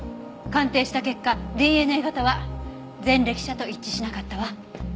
鑑定した結果ＤＮＡ型は前歴者と一致しなかったわ。